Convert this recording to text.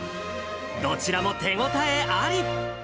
どちらも手応えあり。